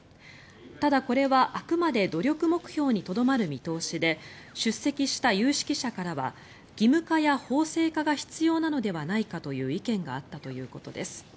ただ、これはあくまで努力目標にとどまる見通しで出席した有識者からは義務化や法制化が必要なのではないかという意見があったということです。